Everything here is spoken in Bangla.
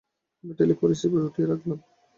আমি টেলিফোন রিসিভার উঠিয়ে রাখলাম।